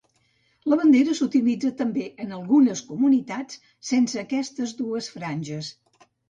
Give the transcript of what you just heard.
La bandera s'utilitza també en algunes comunitats sense aquestes dues franges.